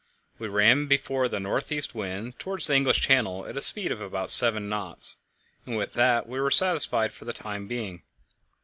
We ran before the north east wind towards the English Channel at a speed of about seven knots, and with that we were satisfied for the time being.